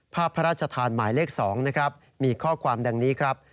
พระราชทานหมายเลข๒นะครับมีข้อความดังนี้ครับ